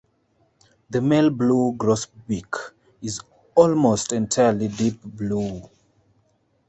The male blue grosbeak is almost entirely deep blue.